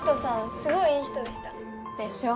すごいいい人でした。でしょ？